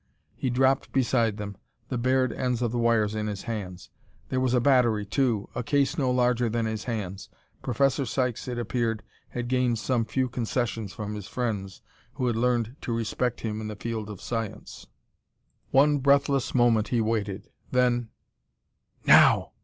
He dropped beside them, the bared ends of the wires in his hands. There was a battery, too, a case no larger than his hands. Professor Sykes, it appeared, had gained some few concessions from his friends, who had learned to respect him in the field of science. One breathless moment he waited; then "Now!"